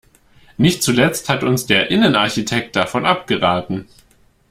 Nicht zuletzt hat uns der Innenarchitekt davon abgeraten.